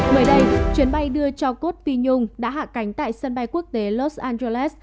mới đây chuyến bay đưa cho cốt phi nhung đã hạ cánh tại sân bay quốc tế los angeles